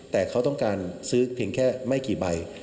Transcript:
แต่เขาต้องการซื้อเพียงแค่ไม่กี่ใบ